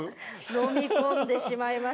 飲み込んでしまいました。